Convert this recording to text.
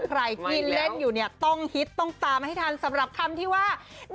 ใครที่เล่นอยู่เนี่ยต้องฮิตต้องตามให้ทันสำหรับคำที่ว่า